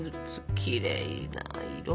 きれいな色。